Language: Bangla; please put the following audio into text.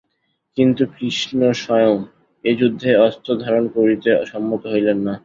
কিন্ত কৃষ্ণ স্বয়ং এই যুদ্ধে অস্ত্রধারণ করিতে সম্মত হইলেন না।